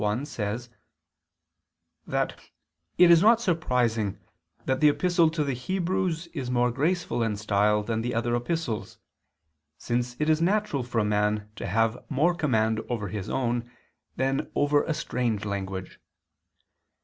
1, says that "it is not surprising that the epistle to the Hebrews is more graceful in style than the other epistles, since it is natural for a man to have more command over his own than over a strange language.